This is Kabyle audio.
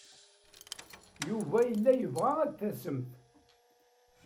Yuba yella yebɣa ad d-tasemt.